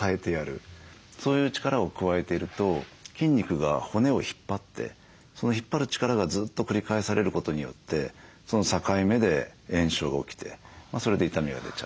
そういう力を加えていると筋肉が骨を引っ張ってその引っ張る力がずっと繰り返されることによって境目で炎症が起きてそれで痛みが出ちゃうということなんですよね。